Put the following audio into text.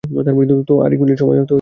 তো, আর এক মিনিট সময় আছে।